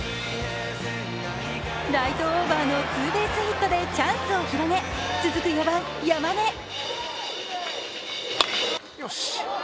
ライトオーバーのツーベースヒットでチャンスを広げ続く４番・山根。